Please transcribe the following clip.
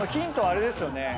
あれですよね。